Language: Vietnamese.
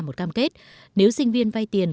một cam kết nếu sinh viên vay tiền